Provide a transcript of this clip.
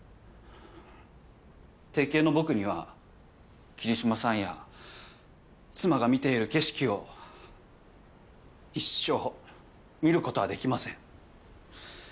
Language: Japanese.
定型の僕には桐島さんや妻が見ている景色を一生見ることはできません。